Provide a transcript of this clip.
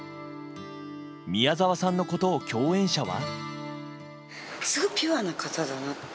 宮沢さんのことを共演者は。